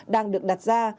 đang được đặt ra